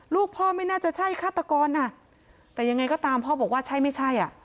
ลูกพ่อไม่น่าจะใช่ฆาตกรน่ะแต่ยังไงก็ตามพ่อบอกว่าใช่ไม่ใช่อ่ะ